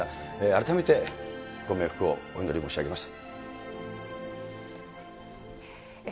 改めてご冥福をお祈り申し上げます。